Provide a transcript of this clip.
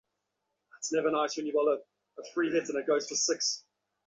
সাহেব-ডাক্তার ডাকতে গেছে।